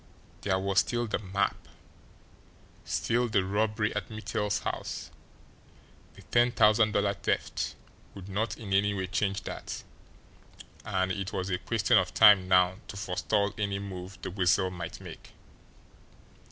There was still the map, still the robbery at Mittel's house the ten thousand dollar "theft" would not in any way change that, and it was a question of time now to forestall any move the Weasel might make.